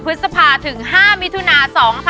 พฤษภาถึง๕มิถุนา๒๕๖๒